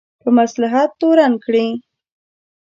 په مصلحت تورن کړي.